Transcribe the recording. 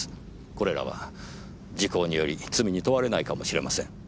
これらは時効により罪に問われないかもしれません。